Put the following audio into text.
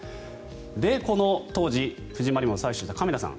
で、この当時フジマリモを採取した亀田さん。